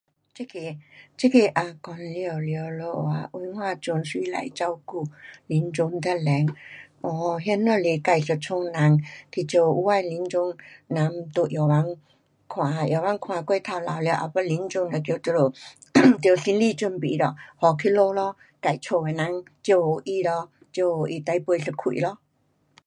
这个，这个也讲了了咯啊。文化中谁来照顾临终的人。um 那只是自家人去照顾，有的临终人在药房，药房看过头老了也要临终了，叫你们得心里准备了，载回去咯。自家的人照顾他咯，照顾他最后一气咯。